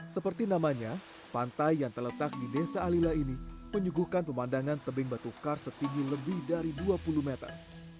seperti namanya pantai yang terletak di desa alila ini menyuguhkan pemandangan tebing batu kar setinggi lebih dari dua puluh meter